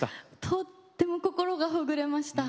とっても心がほぐれました。